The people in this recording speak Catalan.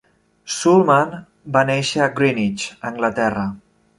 Sulman va néixer a Greenwich, Anglaterra.